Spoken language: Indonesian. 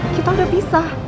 kita udah pisah